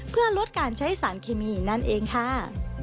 เพื่อลดการใช้สารเคมีนั่นเองค่ะ